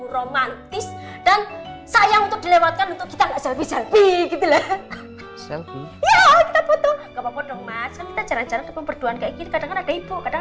romantis dan saya untuk dilewatkan untuk kita bisa